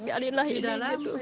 biarlilah ini gitu